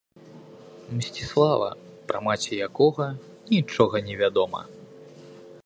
Мсціслава, пра маці якога нічога не вядома.